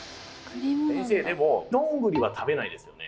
先生でもどんぐりは食べないですよね？